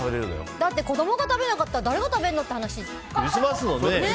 だって子供が食べなかったら誰が食べるのって話。